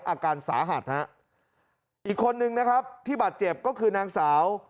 อาการสาหัสฮะอีกคนนึงนะครับที่บาดเจ็บก็คือนางสาว